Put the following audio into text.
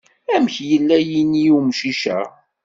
Amek yella yini n umcic-a?